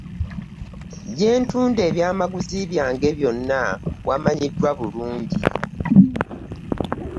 Gye ntunda ebyamaguzi byange byonna wamanyiddwa bulungi.